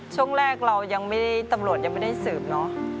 ช่วงแรกเรายังไม่ได้ตำรวจยังไม่ได้สืบเนอะ